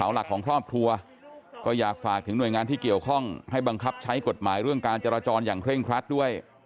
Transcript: หลักของครอบครัวก็อยากฝากถึงหน่วยงานที่เกี่ยวข้องให้บังคับใช้กฎหมายเรื่องการจราจรอย่างเคร่งครัดด้วย